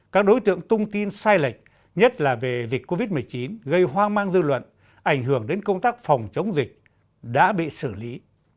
các đối tượng tung tin sai lệch nhất là về dịch covid một mươi chín gây hoang mang dư luận ảnh hưởng đến công tác phòng chống dịch đã bị xử lý